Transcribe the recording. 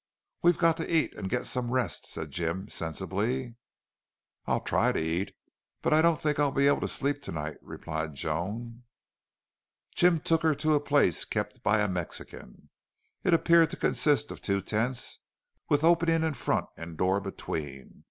"We've got to eat and get some rest," said Jim, sensibly. "I'll try to eat but I don't think I'll be able to sleep tonight," replied Joan. Jim took her to a place kept by a Mexican. It appeared to consist of two tents, with opening in front and door between.